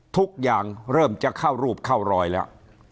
ทุกอย่างเริ่มจะเข้ารูปเข้ารอยแล้ว